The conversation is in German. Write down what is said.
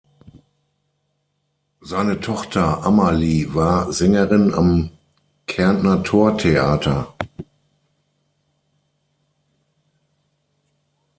Seine Tochter Amalie war Sängerin am Kärntnertortheater.